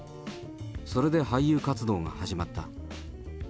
それで俳優活動が始まった。